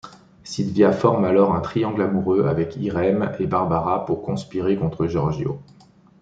Silvia forme alors un triangle amoureux avec Irem et Barbara pour conspirer contre Giorgio.